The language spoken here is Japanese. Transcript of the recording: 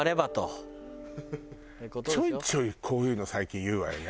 ちょいちょいこういうの最近言うわよね。